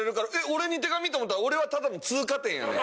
俺に手紙？と思ったら俺はただの通過点やねん。